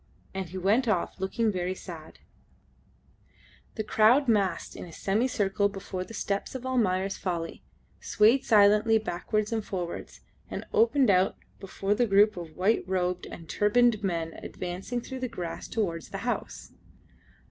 And he went off looking very sad. The crowd massed in a semicircle before the steps of "Almayer's Folly," swayed silently backwards and forwards, and opened out before the group of white robed and turbaned men advancing through the grass towards the house.